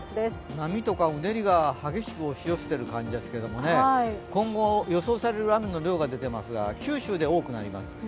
波とかうねりが激しく押し寄せている感じですけど今後、予想される雨の量が出てますが九州で多くなります。